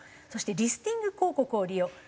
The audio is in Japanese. そしてリスティング広告を利用。